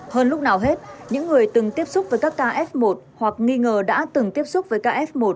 hơn lúc nào hết những người từng tiếp xúc với các ca f một hoặc nghi ngờ đã từng tiếp xúc với ca f một